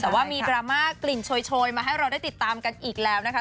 แต่ว่ามีดราม่ากลิ่นโชยมาให้เราได้ติดตามกันอีกแล้วนะคะ